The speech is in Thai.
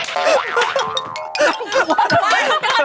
เฮ่ย